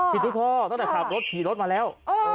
ทุกพ่อตั้งแต่ขับรถขี่รถมาแล้ว